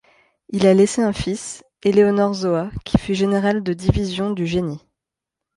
Il a laissé un fils, Éléonor-Zoa, qui fut général de division du génie.